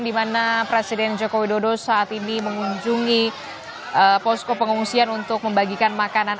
di mana presiden joko widodo saat ini mengunjungi posko pengungsian untuk membagikan makanan